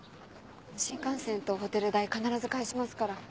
新幹線とホテル代必ず返しますから。